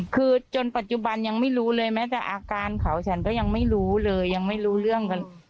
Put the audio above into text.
คือจนปัจจุบันยังไม่รู้เลยแม้แต่อาการเขาฉันก็ยังไม่รู้เลยยังไม่รู้เรื่องกัน